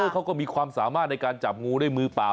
เขาก็มีความสามารถในการจับงูด้วยมือเปล่า